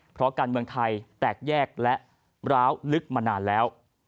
เพราะการเมืองไทยแตกแยกและร้าวลึกมานานแล้ว